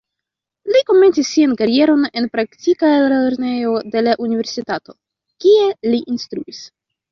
Li komencis sian karieron en praktika lernejo de la universitato, kie li instruis.